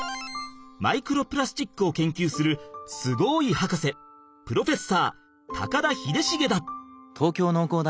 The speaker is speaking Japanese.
マイクロプラスチックを研究するすごいはかせプロフェッサー高田秀重だ！